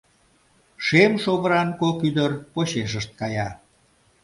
Шем шовыран кок ӱдыр почешышт кая.